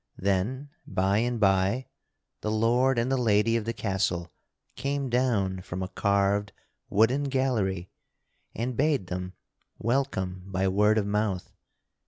Then, by and by, the lord and the lady of the castle came down from a carved wooden gallery and bade them welcome by word of mouth.